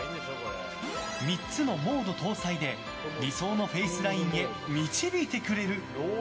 ３つのモード搭載で理想のフェイスラインへ導いてくれる。